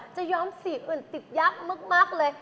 ย้อมสีอื่นติดยักษ์มากเลย